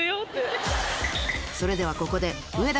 それではここであっ！